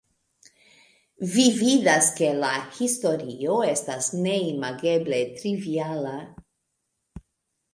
Vi vidas, ke la historio estas neimageble triviala.